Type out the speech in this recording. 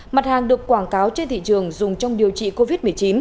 mặt hàng được quảng cáo trên thị trường dùng trong điều trị covid một mươi chín